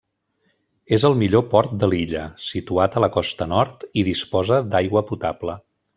És el millor port de l'illa, situat a la costa nord, i disposa d'aigua potable.